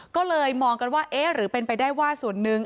ก็เลยมองกันว่าเอ๊ะหรือเป็นไปได้ว่าส่วนหนึ่ง